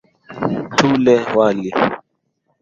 Tule wali.